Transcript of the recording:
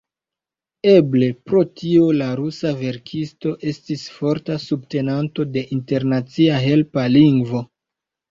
Eble pro tio la rusa verkisto estis forta subtenanto de internacia helpa lingvo.